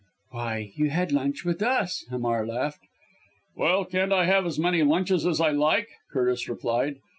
"Why you had lunch with us!" Hamar laughed. "Well, can't I have as many lunches as I like?" Curtis replied.